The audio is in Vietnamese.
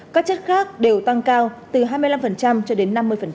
các chất khác đều tăng cao từ hai mươi năm cho đến năm mươi